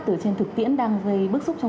từ trên thực tiễn đang dây bức xúc